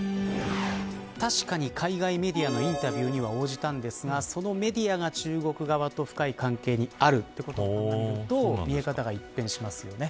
確かに海外メディアのインタビューには応じたんですがそのメディアが中国側と深い関係にあるということを鑑みると見え方が一変しますよね。